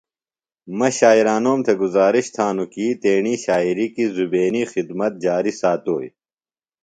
مہ شاعرانوم تھےۡ گزارش تھانوࣿ کیۡ تیݨی شاعری کیۡ زُیبینی خدمت جاری ساتوئی۔